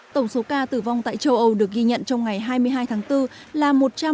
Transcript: tổng số ca tử vong tại châu âu được ghi nhận trong ngày hai mươi hai tháng bốn là một trăm một mươi một hai trăm linh hai